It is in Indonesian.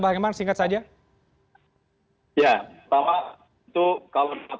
menjawab singkat bang